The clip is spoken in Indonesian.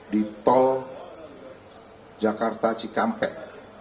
di tol jakarta cikampek